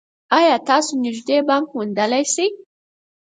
ایا تاسو نږدې بانک موندلی شئ؟